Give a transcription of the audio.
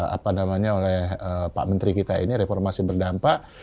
apa namanya oleh pak menteri kita ini reformasi berdampak